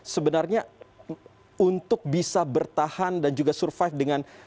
sebenarnya untuk bisa bertahan dan juga survive dengan